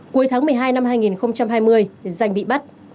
cuối tháng một mươi hai năm hai nghìn hai mươi danh bị bắt